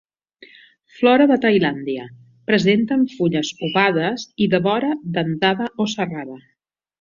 Flora de Tailàndia. Presenten fulles ovades i de vora dentada o serrada.